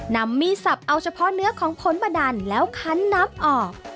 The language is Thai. นำมีดสับเอาเฉพาะเนื้อของผลบดันแล้วคันน้ำออก